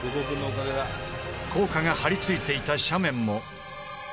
硬貨が張りついていた斜面も。